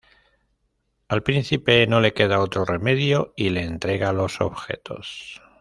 Al príncipe no le queda otro remedio y le entrega los Objetos.